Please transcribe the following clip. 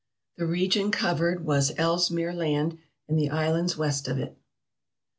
The region covered was Ellesmere Land and the islands west of it.